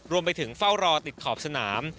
รวมไปถึงเฝ้ารอติดขอบสนาม